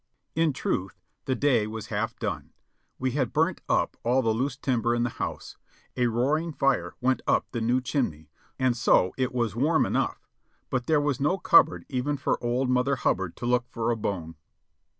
In truth the day was half done, we had burnt up all the loose timber in the house ; a roaring fire went up the new chimney, and so it was warm enough ; but there was no cupboard even for old Mother Hubbard to look for a bone.